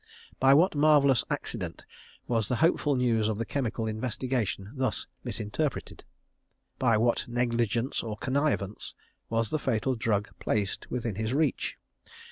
By what marvellous accident was the hopeful news of the chemical investigation thus misinterpreted? By what negligence or connivance was the fatal drug placed within his reach?